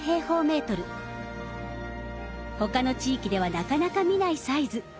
他の地域ではなかなか見ないサイズ。